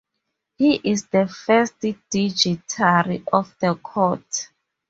He is the first dignitary of the court.